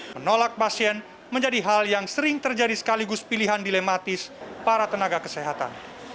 menolak pasien menjadi hal yang sering terjadi sekaligus pilihan dilematis para tenaga kesehatan